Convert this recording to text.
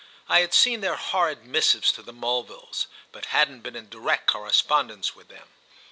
I had seen their horrid missives to the Mulvilles, but hadn't been in direct correspondence with them.